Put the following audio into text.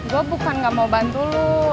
gue bukan gak mau bantu lu